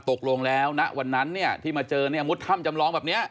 ตกลงแล้วณวันนั้นที่มาเจอมุดถ้ำจำลองแบบนี้